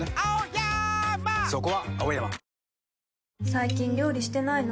最近料理してないの？